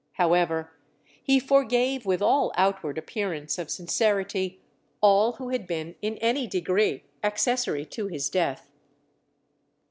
However, he forgave with all outward appearance of sincerity, all who had been in any degree accessory to his death.